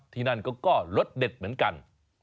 ที่นั่นก็รสเด็ดเหมือนกัน